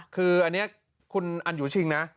คืออันนี้คุณอันยูชิงนะ